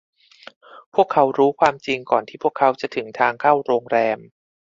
พวกเขารู้ความจริงก่อนที่พวกเขาจะถึงทางเข้าโรงแรม